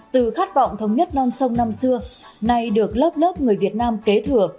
từ khát vọng thống nhất non sông năm xưa nay được lớp lớp người việt nam kế thừa